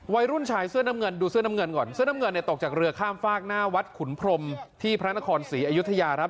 วัยรุ่นชายเสื้อน้ำเงินดูเสื้อน้ำเงินก่อนเสื้อน้ำเงินเนี่ยตกจากเรือข้ามฝากหน้าวัดขุนพรมที่พระนครศรีอยุธยาครับ